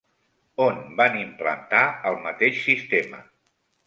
On van implantar el mateix sistema?